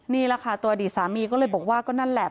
นี่แหละค่ะตัวอดีตสามีก็เลยบอกว่าก็นั่นแหละ